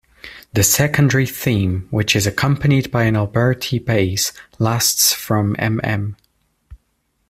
The secondary theme, which is accompanied by an Alberti bass, lasts from mm.